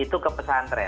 itu ke pesantren